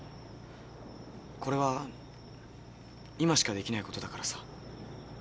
これは今しかできないことだからさ。